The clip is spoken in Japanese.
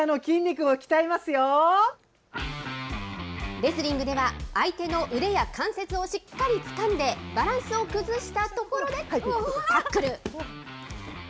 レスリングでは、相手の腕や関節をしっかりつかんで、バランスを崩したところでタックル。